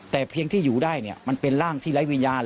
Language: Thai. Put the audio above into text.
แต่เพียงที่อยู่ได้มันเป็นร่างที่ไร้วิญญาณ